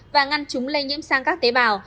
và ngăn chúng lây nhiễm sang các tế bào